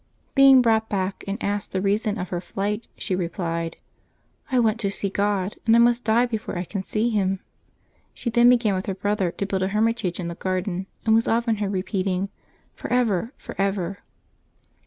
Being brought back and asked the reason of her flight, she replied, " I want to see God, and I must die before I can see Him." She then began with her brother to build a hermitage in the garden, and was often heard repeating "Porever, forever."